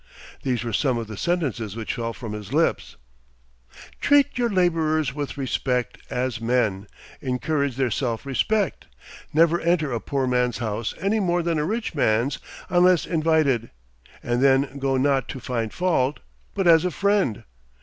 These were some of the sentences which fell from his lips: "Treat your laborers with respect, as men; encourage their self respect. Never enter a poor man's house any more than a rich man's unless invited, and then go not to find fault, but as a friend.